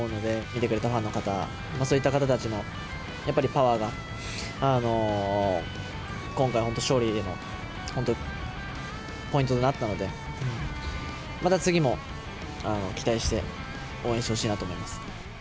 見ててくれたファンの方、そういった方たちのやっぱりパワーが、今回、本当勝利への、本当、ポイントとなったので、また次も期待して応援してほしいなと思います。